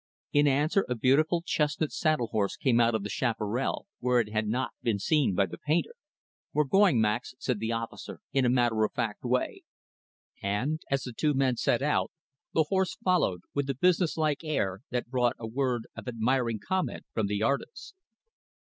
In answer, a beautiful, chestnut saddle horse came out of the chaparral, where it had not been seen by the painter. "We're going, Max," said the officer, in a matter of fact way. And, as the two men set out, the horse followed, with a business like air that brought a word of admiring comment from the artist.